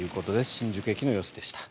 新宿駅の様子でした。